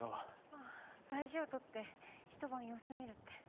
ああ大事を取ってひと晩様子見るって。